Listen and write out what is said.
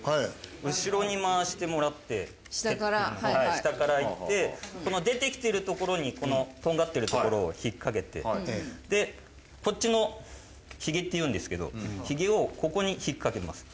下からいってこの出てきてるところにこのとんがってるところを引っ掛けてこっちのヒゲっていうんですけどヒゲをここに引っ掛けます。